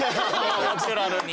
ナチュラルに。